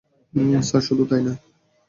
Sir শুধু তাই নয়।